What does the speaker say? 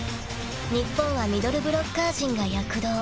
［日本はミドルブロッカー陣が躍動］